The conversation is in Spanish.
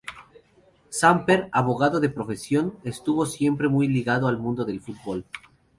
Samper, abogado de profesión, estuvo siempre muy ligado al mundo del fútbol.